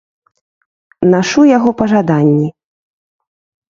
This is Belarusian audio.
Нашу яго па жаданні.